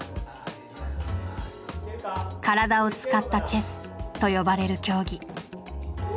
「体を使ったチェス」と呼ばれる競技。